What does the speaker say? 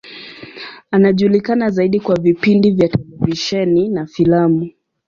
Anajulikana zaidi kwa vipindi vya televisheni na filamu.